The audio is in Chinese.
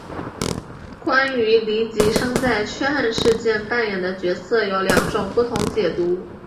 关于黎吉生在驱汉事件扮演的角色有两种不同解读。